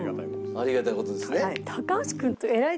ありがたい事ですね。